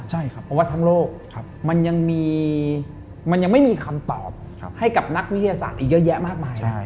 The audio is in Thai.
ใช่ครับเพราะว่าทั้งโลกมันยังมีมันยังไม่มีคำตอบให้กับนักวิทยาศาสตร์อีกเยอะแยะมากมาย